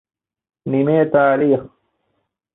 ނިމޭ ތާރީޚު